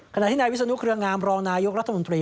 ขณะที่นายวิศนุเครืองามรองนายกรัฐมนตรี